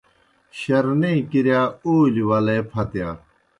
شرنے کِرِیا اولیْ ولے پھتِیا۔